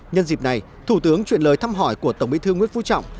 nhân dịp này thủ tướng chuyển lời thăm hỏi của tổng bí thư nguyễn phú trọng